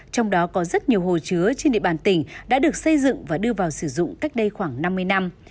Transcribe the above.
trong đó có rất nhiều hồ chứa trên địa bàn tỉnh đã được xây dựng và đưa vào sử dụng cách đây khoảng năm mươi năm